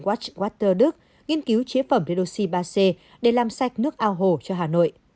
watchwater đức nghiên cứu chế phẩm redoxy ba c để làm sạch nước ao hồ cho hà nội